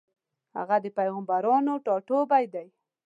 هغه د پېغمبرانو ټاټوبی دی.